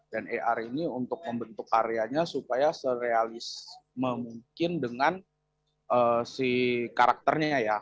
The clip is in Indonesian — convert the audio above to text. dan ar ini untuk membentuk karyanya supaya serealis memungkinkan dengan si karakternya ya